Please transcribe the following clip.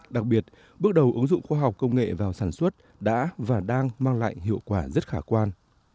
đặc biệt bước đầu ứng dụng khoa học công nghệ vào sản xuất đã và đang mang lại hiệu quả rất khả quan